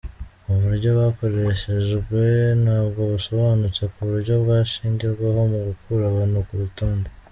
Uburyo bwakoreshejwe ntabwo busobanutse ku buryo bwashingirwaho mu gukura abantu ku rutonde.